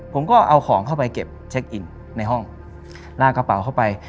ผมก็เอาของเข้าไปเก็บเช็คอินในห้องลากกระเป๋าเข้าไป